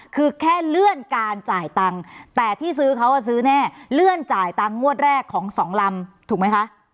คือแค่เลื่อนการจ่ายตังค์แต่ที่ซื้อเขาซื้อแน่เลื่อนจ่ายตังค์งวดแรกของสองลำถูกไหมคะ